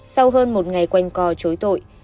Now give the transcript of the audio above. sau hơn một ngày quanh co chối tội